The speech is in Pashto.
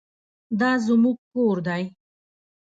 دا زموږ کور دی